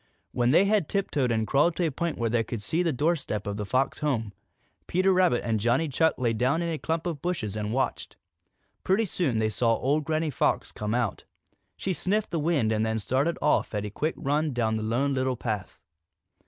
When they had tiptoed and crawled to a point where they could see the doorstep of the Fox home, Peter Rabbit and Johnny Chuck lay down in a clump of bushes and watched. Pretty soon they saw old Granny Fox come out. She sniffed the wind and then she started off at a quick run down the Lone Little Path.